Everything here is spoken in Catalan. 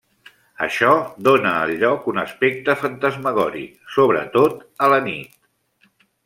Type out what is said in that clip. Això dóna al lloc un aspecte fantasmagòric, sobretot la nit.